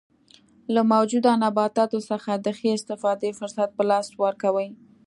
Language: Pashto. له موجوده نباتاتو څخه د ښې استفادې فرصت په لاس ورکوي.